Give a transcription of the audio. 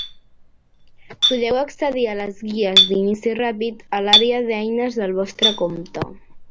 Podeu accedir a les guies d'inici ràpid a l'àrea d'eines del vostre compte.